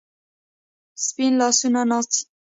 سپین لاسونه ناڅي